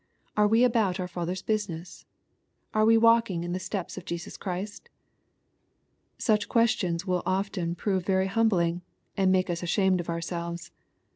— ''Are we about our Father's business ? Are we walking in the steps of Jesus Christ ?"— Such questions will often prove very hum blingy and make us ashamed of ourselves.